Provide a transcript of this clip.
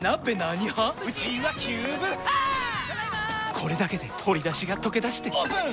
これだけで鶏だしがとけだしてオープン！